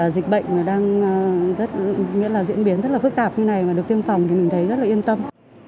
dịch bệnh đang diễn biến rất là phức tạp như này mà được tiêm phòng thì mình thấy rất là yên tâm